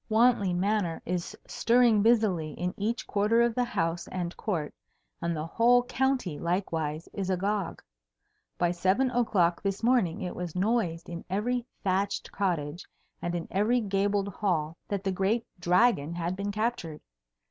Wantley Manor is stirring busily in each quarter of the house and court, and the whole county likewise is agog. By seven o'clock this morning it was noised in every thatched cottage and in every gabled hall that the great Dragon had been captured.